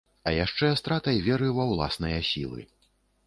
А яшчэ стратай веры ва ўласныя сілы.